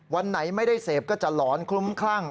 วันไหนไม่ได้เสพก็จะหลอนคลุ้มคลั่ง